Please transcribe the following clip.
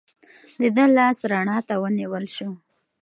د ده لاس رڼا ته ونیول شو.